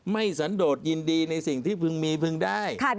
สันโดดยินดีในสิ่งที่พึงมีพึงได้